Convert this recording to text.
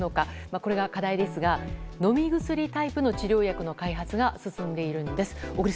これが課題ですが飲み薬タイプの治療薬の開発が進んでいるんです。